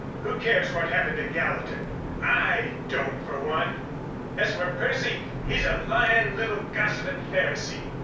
"Who cares what happened to Gallatin? I don't, for one. As for Percy, he's a lyin', little gossipin' Pharisee.